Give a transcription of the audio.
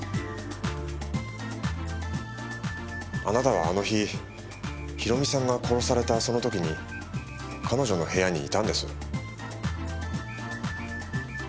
あなたはあの日博美さんが殺されたその時に彼女の部屋にいたんです。